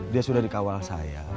dia sudah dikawal saya